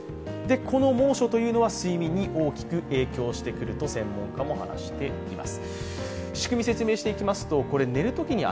この猛暑というのは睡眠に大きく影響してくると専門家も話しています。